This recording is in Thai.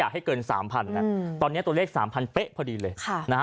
ให้เกินสามพันนะตอนนี้ตัวเลข๓๐๐เป๊ะพอดีเลยค่ะนะฮะ